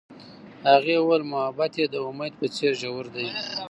هغې وویل محبت یې د امید په څېر ژور دی.